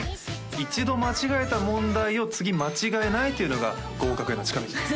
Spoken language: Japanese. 一度間違えた問題を次間違えないというのが合格への近道です